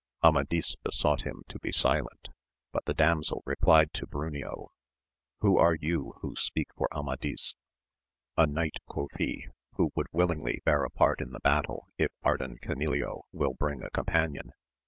Amadis besought him to be silent, but the damsel replied to Bruneo, Who are you who speak for Amadis ? A knight, quoth he, who would willingly bear a part in the battle if Ardan Canileo will bring a companion.